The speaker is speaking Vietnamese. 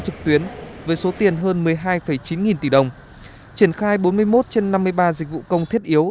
trực tuyến với số tiền hơn một mươi hai chín nghìn tỷ đồng triển khai bốn mươi một trên năm mươi ba dịch vụ công thiết yếu